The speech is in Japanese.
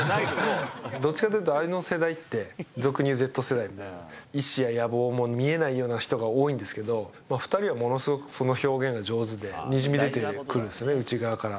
どっちかというと、あの世代って俗にいうＺ世代、意思や野望も見えないような人が多いんですけど、２人はものすごくその表現が上手で、にじみ出てくるんですよね、内側から。